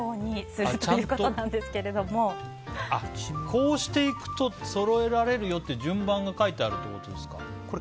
こうしていくとそろえられるよっていう順番が書いてあるってことですか。